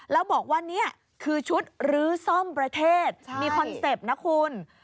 แล้วบอกว่านี่คือชุดรื้อซ่อมประเทศมีคอนเซ็ปต์นะคุณ